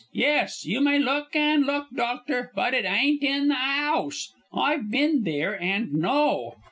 Yes! you may look, an' look, doctor, but it ain't in the 'ouse. I've bin there and know."